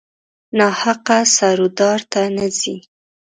ناحقه سر و دار ته نه ځي.